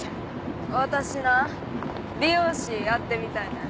私な美容師やってみたいねん。